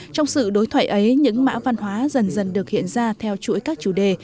trong sự đối thoại ấy những mã văn hóa dần dần được hiện ra theo chuỗi các chủ đề